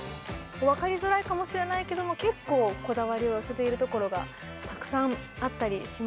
分かりづらいかもしれないけども結構こだわりを寄せているところがたくさんあったりしました。